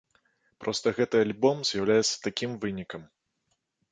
Проста гэты альбом з'яўляецца такім вынікам.